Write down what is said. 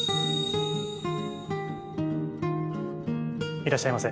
いらっしゃいませ。